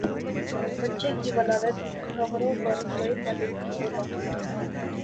بچے کی ولادت کی خبروں پر شعیب ملک کی وضاحت